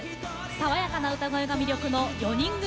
爽やかな歌声が魅力の４人組